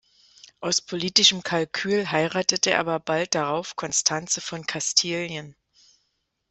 Aus politischem Kalkül heiratete er aber bald darauf Konstanze von Kastilien.